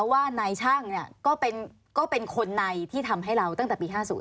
ว่านายช่างก็เป็นคนในที่ทำให้เราตั้งแต่ปี๕๐